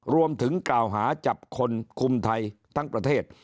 รวมถึงกล่าวหาจับคนคุมไทยทั้งประเทศ